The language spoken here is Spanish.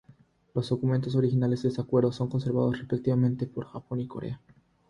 Los documentos originales de este acuerdo son conservados respectivamente por Japón y Corea.